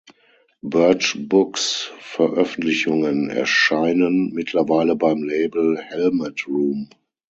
Birch Books Veröffentlichungen erscheinen mittlerweile beim Label Helmet Room.